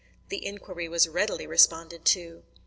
The inquiry was readily responded to.